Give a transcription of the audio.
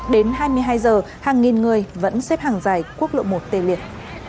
đến hai mươi hai h hàng nghìn người vẫn xếp hàng giải quốc lộ một tê liệt